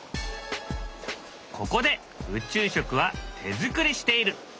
ここで宇宙食は手作りしている。